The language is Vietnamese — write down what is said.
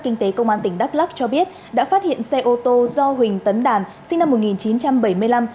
kinh tế công an tỉnh đắk lắc cho biết đã phát hiện xe ô tô do huỳnh tấn đàn sinh năm một nghìn chín trăm bảy mươi năm